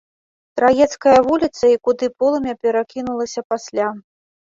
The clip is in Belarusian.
Траецкая вуліца і куды полымя перакінулася пасля.